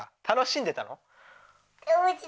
楽しんでたの？